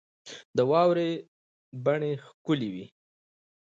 د واورې بڼې ښکلي وې.